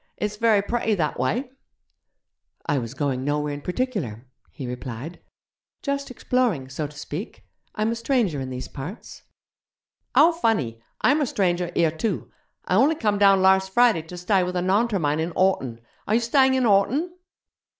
It's very pretty that wye.' 'I was going nowhere in particular,' he replied; 'just exploring, so to speak. I'm a stranger in these parts.' 'How funny! Imer stranger here too. I only come down larse Friday to stye with a Naunter mine in Horton. Are you stying in Horton?'